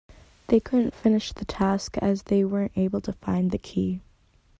They couldn't finish the task as they weren't able to find the key